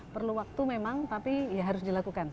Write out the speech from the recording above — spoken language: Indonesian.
perlu waktu memang tapi ya harus dilakukan